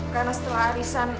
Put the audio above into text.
karena setelah arisan